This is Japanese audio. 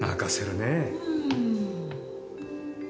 うん。